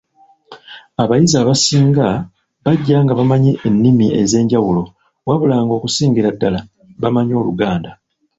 Abayizi abasinga bajja nga bamanyi ennimi ez’enjawulo wabula nga okusingira ddala bamanyi Oluganda.